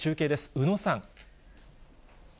宇野さん。